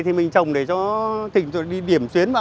trồng để điểm xuyến